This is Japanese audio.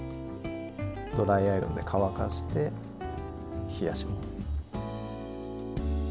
ドライアイロンで乾かして冷やします。